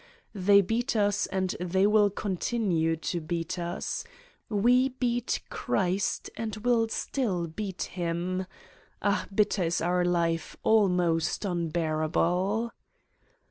They beat us and they will continue to beat us. We beat Christ and will still beat him. ... Ah, bitter is our life, al most unbearable